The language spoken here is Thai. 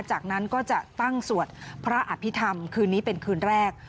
จากนั้นก็จะตั้งสวดพระอภิษฐรรมคืนนี้เป็นคืนแรก